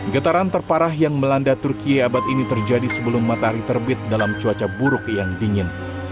getaran terparah yang melanda turki abad ini terjadi sebelum matahari terbit dalam cuaca buruk yang dingin